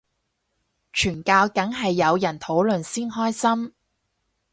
傳教梗係有人討論先開心